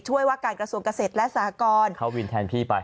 ว่าการกระทรวงเกษตรและสหกรเข้าวินแทนพี่ไป